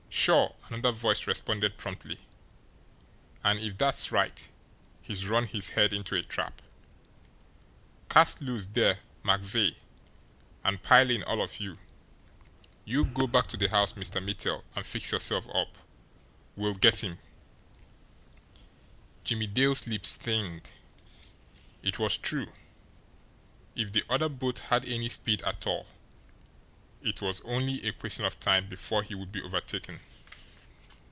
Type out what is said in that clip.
"Sure!" another voice responded promptly. "And if that's right, he's run his head into a trap. Cast loose, there, MacVeay, and pile in, all of you! You go back to the house, Mr. Mittel, and fix yourself up. We'll get him!" Jimmie Dale's lips thinned. It was true! If the other boat had any speed at all, it was only a question of time before he would be overtaken.